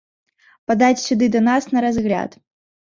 Падаць сюды да нас на разгляд.